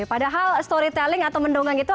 padahal story telling atau mendongeng itu